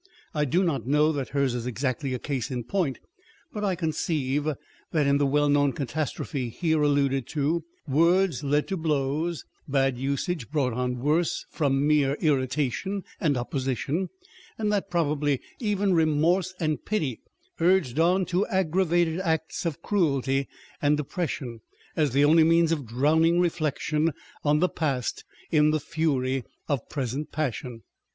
1 I do not know that hers is exactly a case in point ; but I conceive that in the well known catastrophe here alluded to, words led to blows, bad usage brought on worse from mere irritation and opposition, and that, probably, even remorse and pity urged on to aggravated acts of cruelty and oppression, as the only means of drowning reflection on the past in the fury of present passion.